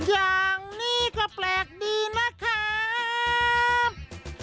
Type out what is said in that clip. อย่างนี้ก็แปลกดีนะครับ